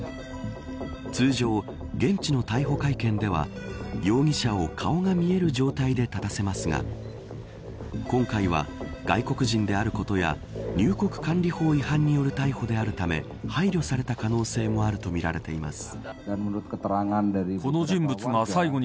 通常、現地の逮捕会見では容疑者を顔が見える状態で立たせますが今回は、外国人であることや入国管理法違反による逮捕であるため配慮された可能性もあるとみられています。